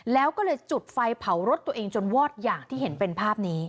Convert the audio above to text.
แล้วก็เลยจุดไฟเผารถตัวเองจนวอดอย่างที่เห็นเป็นภาพนี้